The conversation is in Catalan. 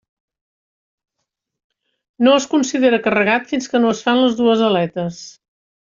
No es considera carregat fins que no es fan les dues aletes.